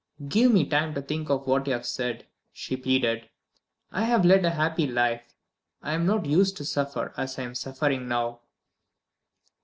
"Give me time to think of what you have said," she pleaded. "I have led a happy life; I am not used to suffer as I am suffering now."